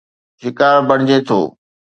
شڪار بڻجي ٿو